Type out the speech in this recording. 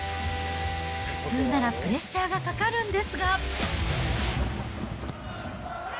普通ならプレッシャーがかかるんですが。